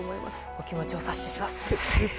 お気持ちお察しします。